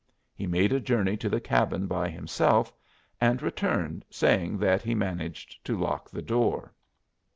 He made a journey to the cabin by himself, and returned saying that he had managed to lock the door.